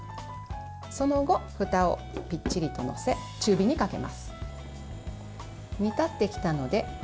その後、ふたをぴっちりと載せ中火にかけます。